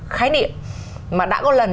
khái niệm mà đã có lần